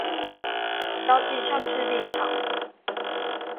標記政治立場